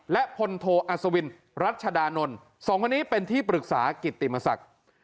และพลโทอัศวินรัชดานนท์สองคนนี้เป็นที่ปรึกษากิติมศักดิ์